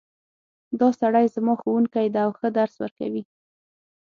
دا سړی زما ښوونکی ده او ښه درس ورکوی